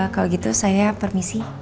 kalau gitu saya permisi